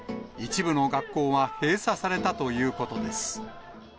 一部の学校は閉鎖されたということです。